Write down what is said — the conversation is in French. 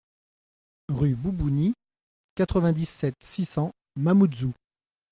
Rue Boubouni, quatre-vingt-dix-sept, six cents Mamoudzou